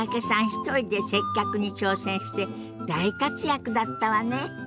一人で接客に挑戦して大活躍だったわね。